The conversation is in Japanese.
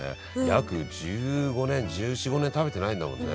約１５年１４１５年食べてないんだもんね。